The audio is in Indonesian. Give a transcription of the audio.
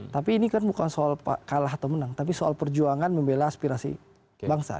tapi ini kan bukan soal kalah atau menang tapi soal perjuangan membela aspirasi bangsa